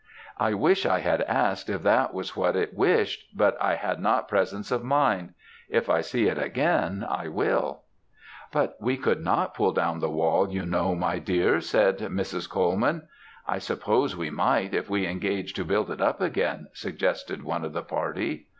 I wish I had asked if that was what it wished, but I had not presence of mind; if I see it again, I will.' "'But we could not pull down the wall, you know, my dear,' said Mrs. Colman. "'I suppose we might, if we engaged to build it up again,' suggested one of the party.